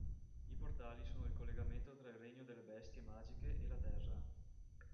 I portali sono il collegamento tra il regno delle bestie magiche e la Terra.